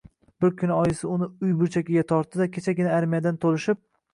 Bir kuni oyisi uni uy burchagiga tortdi-da, kechagina armiyadan toʼlishib